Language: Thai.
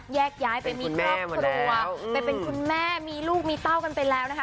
แยกย้ายไปมีครอบครัวไปเป็นคุณแม่มีลูกมีเต้ากันไปแล้วนะคะ